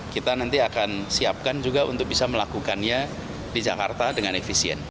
kita nanti akan siapkan juga untuk bisa melakukannya di jakarta dengan efisien